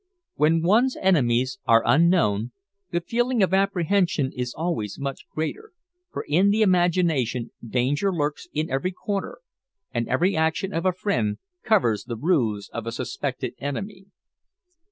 When one's enemies are unknown, the feeling of apprehension is always much greater, for in the imagination danger lurks in every corner, and every action of a friend covers the ruse of a suspected enemy.